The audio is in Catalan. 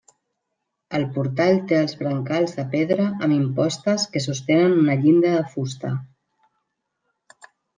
El portal té els brancals de pedra amb impostes que sostenen una llinda de fusta.